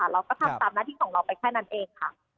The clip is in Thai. เราก็ทำตามหน้าที่ของเราไปแค่นั้นเองค่ะ